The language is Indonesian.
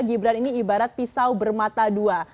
gibran ini ibarat pisau bermata dua